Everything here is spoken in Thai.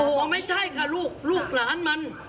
โอ้โหไม่ใช่ค่ะลูกลูกหลานมัน